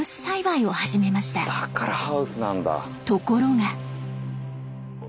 ところが。